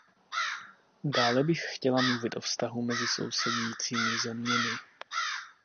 Dále bych chtěla mluvit o vztahu mezi sousedícími zeměmi.